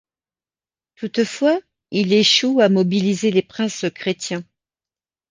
Toutefois, il échoue à mobiliser les princes chrétiens.